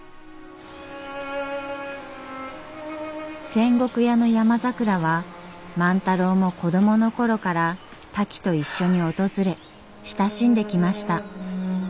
仙石屋のヤマザクラは万太郎も子供の頃からタキと一緒に訪れ親しんできました。